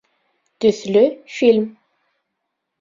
Төҫлө фильм